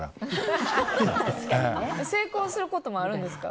成功することもあるんですか？